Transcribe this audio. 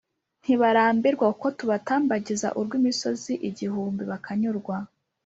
ntibarambirwa kuko tubatambagiza urw'imisozi igihumbi bakanyurwa